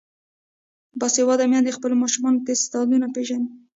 باسواده میندې د خپلو ماشومانو استعدادونه پیژني.